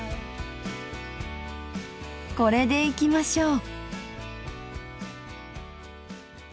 これでいきましょう。